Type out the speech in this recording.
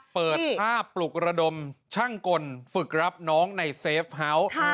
เปิดภาพปลุกระดมช่างกลฝึกรับน้องในเซฟเฮาส์